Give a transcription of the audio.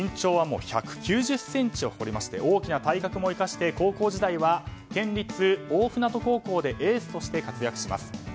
身長は１９０ｃｍを誇りまして大きな体格も生かして高校時代は県立大船渡高校でエースとして活躍します。